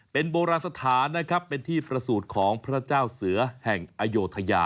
เป็นโบราณสถานนะครับเป็นที่ประสูจน์ของพระเจ้าเสือแห่งอโยธยา